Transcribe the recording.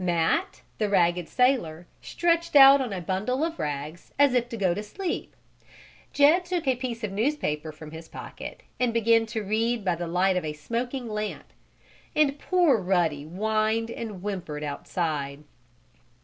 Matt, the ragged sailor, stretched out on a bundle of rags as if to go to sleep. Jed took a piece of newspaper from his pocket and began to read by the light of a smoking lamp, and poor Ruddy whined and whimpered outside.